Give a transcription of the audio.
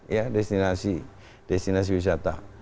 ya destinasi wisata